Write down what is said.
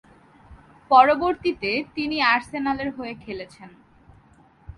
পরবর্তীতে তিনি আর্সেনালের হয়ে খেলেছেন।